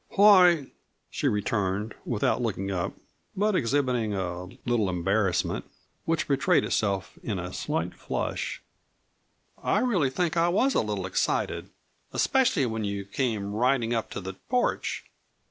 "Why," she returned, without looking up, but exhibiting a little embarrassment, which betrayed itself in a slight flush, "I really think that I was a little excited especially when you came riding up to the porch."